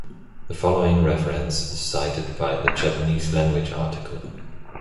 The following reference is cited by the Japanese-language article.